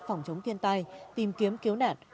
phòng chống thiên tai tìm kiếm cứu nạn